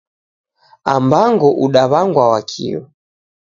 Ambango udaw'angwa Wakio